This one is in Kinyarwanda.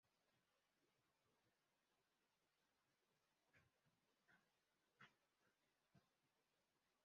Waturiha iyo yagurwa i Kiganda Kigeli ya Ngerekera